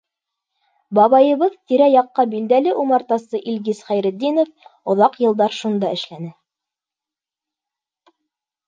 Бабайыбыҙ, тирә-яҡҡа билдәле умартасы Илгиз Хәйретдинов, оҙаҡ йылдар шунда эшләне.